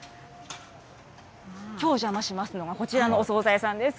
きょうお邪魔しますのは、こちらのお総菜屋さんです。